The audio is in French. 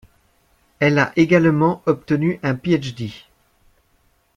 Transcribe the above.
Elle a également obtenu un Ph.D.